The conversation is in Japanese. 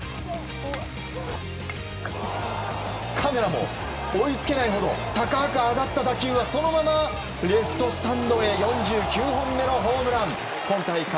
カメラも追いつけないほど高く上がった打球はそのままレフトスタンドへ。